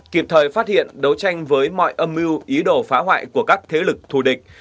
kịp thời phát hiện đấu tranh với mọi âm mưu ý đồ phá hoại của các thế lực thù địch